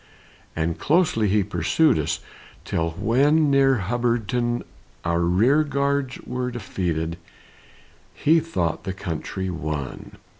And closely he pursued us, Till when near Hubbardton, Our rear guards were defeated, He thought the country won.